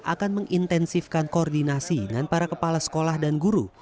akan mengintensifkan koordinasi dengan para kepala sekolah dan guru